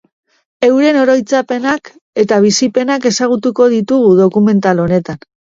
Euren oroitzapenak eta bizipenak ezagutuko ditugu dokumental honetan.